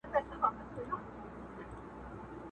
o اوبه په ډانگ نه بېلېږي!